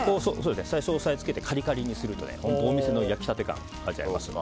最初押さえつけてカリカリにするとお店の焼き立て感が味わえます。